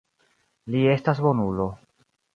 Li estas bonulo.